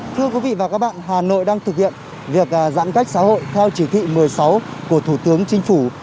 thưa quý vị và các bạn hà nội đang thực hiện việc giãn cách xã hội theo chỉ thị một mươi sáu của thủ tướng chính phủ